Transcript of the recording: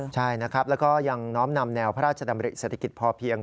ใช่นะครับแล้วก็ยังน้อมนำแนวพระราชดำริเศรษฐกิจพอเพียง